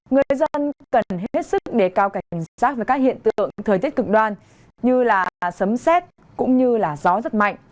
người dân cần hết sức đề cao cảnh sát với các hiện tượng thời tiết cực đoan như là sấm xét cũng như gió rất mạnh